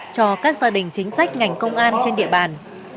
cho các gia đình chính sách ngành công an trên địa bàn